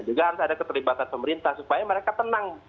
juga harus ada keterlibatan pemerintah supaya mereka tenang